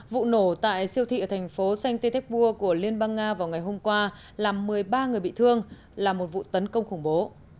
vụ nổ tại siêu thị ở thành phố santép pua của liên bang nga vào ngày hôm qua làm một mươi ba người bị thương là một vụ tấn công khủng bố